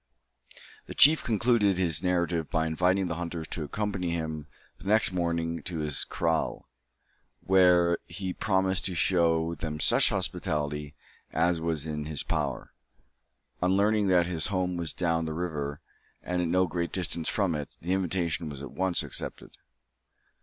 The chief concluded his narrative by inviting the hunters to accompany him the next morning to his kraal; where he promised to show them such hospitality as was in his power. On learning that his home was down the river, and at no great distance from it, the invitation was at once accepted.